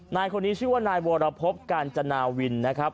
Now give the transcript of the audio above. นายคนนี้ชื่อว่านายวรพบกาญจนาวินนะครับ